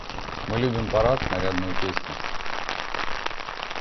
Мы любим парад, нарядную песню.